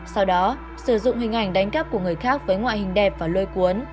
sau đó sử dụng hình ảnh đánh cắp của người khác với ngoại hình đẹp và lôi cuốn